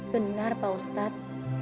benar pak ustaz